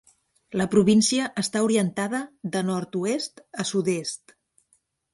La província està orientada de nord-oest a sud-est.